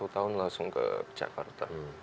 dua satu tahun langsung ke jakarta